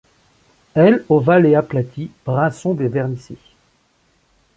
Elles ovales et aplaties, brun sombre et vernissées.